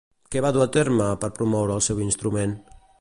Què va dur a terme per promoure el seu instrument?